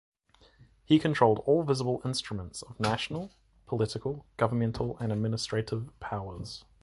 He controlled all visible instruments of national, political, governmental and administrative powers.